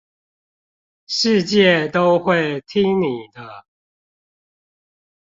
世界都會聽你的